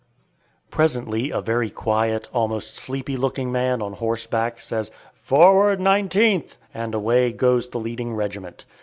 Presently a very quiet, almost sleepy looking man on horseback, says, "Forward, 19th!" and away goes the leading regiment.